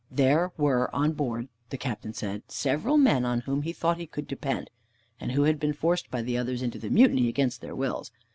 There were on board, the Captain said, several men on whom he thought he could depend, and who had been forced by the others into the mutiny against their wills.